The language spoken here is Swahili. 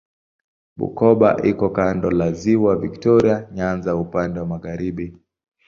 Bukoba iko kando la Ziwa Viktoria Nyanza upande wa magharibi.